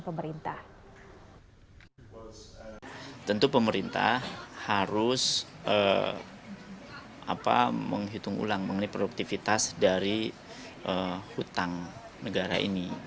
pemerintah harus menghitung ulang produktivitas dari utang negara ini